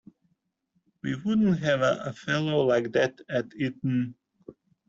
We wouldn't have a fellow like that at Eton.